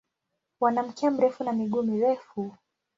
Wana mkia mrefu na miguu mirefu.